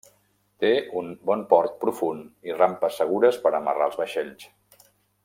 Té un bon port profund i rampes segures per a amarrar els vaixells.